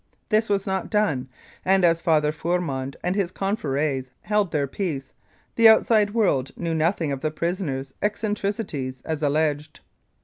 This was not done, and as Father Four mond and his confreres held their peace, the outside world knew nothing of the prisoner's eccentricities as alleged.